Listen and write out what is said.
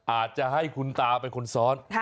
อาจจะให้คุณตาเป็นคนซ้อน